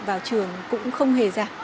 vào trường cũng không hề ra